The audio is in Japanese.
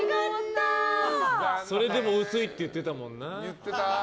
それでも薄いって言ってたもんな。